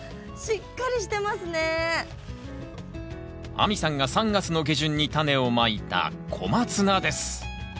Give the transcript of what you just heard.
亜美さんが３月の下旬にタネをまいたコマツナです